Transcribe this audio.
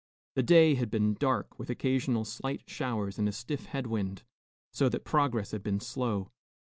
The day had been dark, with occasional slight showers and a stiff head wind, so that progress had been slow.